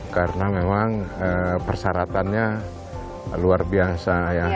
karena memang persyaratannya luar biasa ya